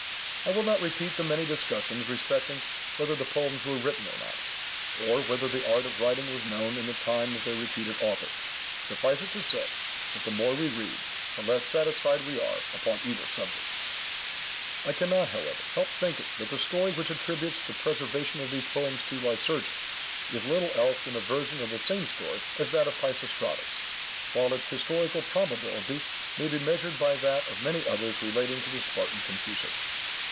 I will not repeat the many discussions respecting whether the poems were written or not, or whether the art of writing was known in the time of their reputed author. Suffice it to say, that the more we read, the less satisfied we are upon either subject. I cannot, however, help thinking, that the story which attributes the preservation of these poems to Lycurgus, is little else than a version of the same story as that of Peisistratus, while its historical probability must be measured by that of many others relating to the Spartan Confucius.